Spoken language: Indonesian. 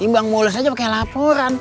ini bang mulus aja pake laporan